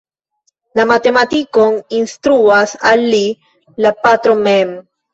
La matematikon instruas al li la patro mem.